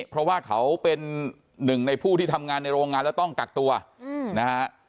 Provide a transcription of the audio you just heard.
เพราะว่าเขาเป็นหนึ่งในผู้ที่ทำงานในโรงงานแล้วต้องกักตัวนะฮะ